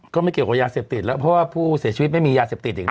ก็ไม่เกี่ยวกับยาเสพติดแล้วเพราะว่าผู้เสียชีวิตไม่มียาเสพติดอีกแล้ว